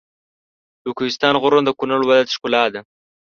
د کوهستان غرونه د کنړ ولایت ښکلا ده.